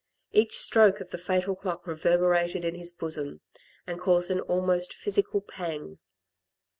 Each stroke of the fatal clock reverberated in his bosom, and caused an almost physical pang.